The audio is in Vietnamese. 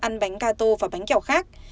ăn bánh gà tô và bánh kẹo khác